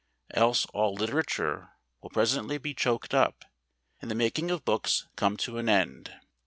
Else all literature will presently be choked up, and the making of books come to an end.